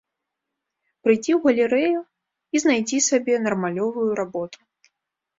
Прыйдзі ў галерэю і знайдзі сабе нармалёвую работу!